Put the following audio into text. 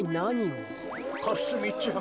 かすみちゃん？